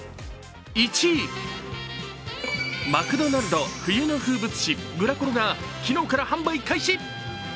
マクドナルド冬の風物詩グラコロが昨日から発売開始。